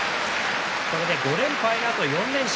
これで５連敗のあと４連勝。